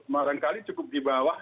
marangkali cukup di bawah